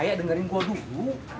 ayah dengerin gue dulu